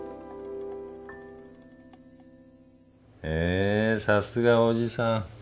へえさすが叔父さん。